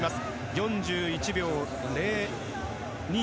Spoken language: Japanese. ４１秒０２